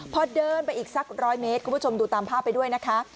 พอเดินไปอีกสักร้อยเมตรคุณผู้ชมดูตามภาพไปด้วยนะคะ